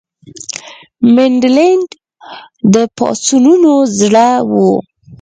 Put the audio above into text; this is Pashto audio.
منډلینډ د پاڅونونو زړه وو.